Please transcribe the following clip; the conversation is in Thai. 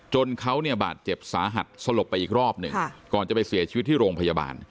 จนเขาเนี่ยบาดเจ็บสาหัสสลบไปอีกรอบหนึ่งก่อนจะไปเสียชีวิตที่โรงพยาบาล